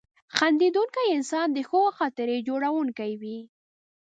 • خندېدونکی انسان د ښو خاطرو جوړونکی وي.